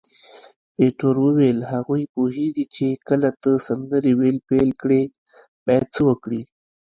ایټور وویل: هغوی پوهیږي چې کله ته سندرې ویل پیل کړې باید څه وکړي.